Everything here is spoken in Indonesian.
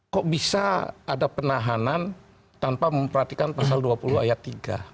kok bisa ada penahanan tanpa memperhatikan pasal dua puluh ayat tiga